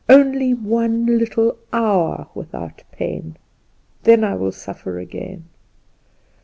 Only one little hour without pain! Then I will suffer again."